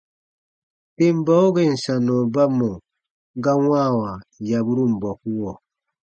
Tem bau gèn sannɔ ba mɔ̀ ga wãawa yaburun bɔkuɔ.